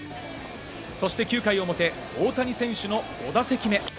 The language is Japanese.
そして９回表、大谷選手の５打席目。